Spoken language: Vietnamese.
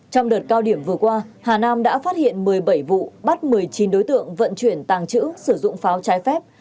trong đợt cao điểm vừa qua hà nam đã phát hiện một mươi bảy vụ bắt một mươi chín đối tượng vận chuyển tàng trữ sử dụng pháo trái phép